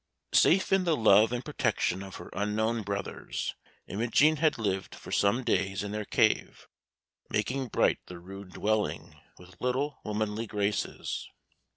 Safe in the love and protection of her unknown brothers, Imogen had lived for some few days in their cave, making bright the rude dwelling with little womanly graces.